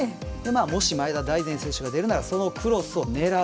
もし、前田大然選手が出るならそのクロスを狙う。